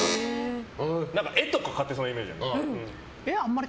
絵とか買ってそうなイメージ。